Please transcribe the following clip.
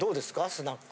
スナック。